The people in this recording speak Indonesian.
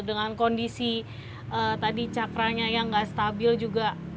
dengan kondisi tadi cakranya yang nggak stabil juga